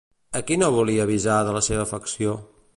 A qui no volia avisar de la seva afecció?